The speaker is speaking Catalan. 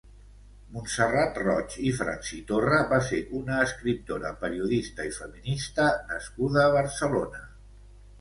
Montserrat Roig i Fransitorra va ser una escriptora, periodista i feminista nascuda a Barcelona.